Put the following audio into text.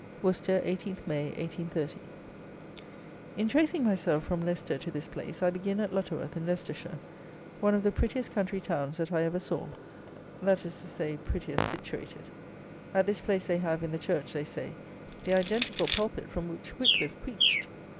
Worcester, 18th May, 1830. In tracing myself from Leicester to this place, I begin at Lutterworth, in Leicestershire, one of the prettiest country towns that I ever saw; that is to say, prettiest situated. At this place they have, in the church (they say), the identical pulpit from which Wickliffe preached!